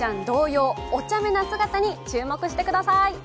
同様おちゃめな姿に注目してください。